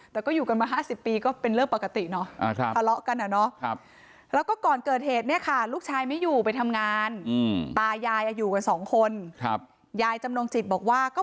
แต่ก็อยู่กันมา๕๐ปีก็เป็นเรื่องปกติเนาะ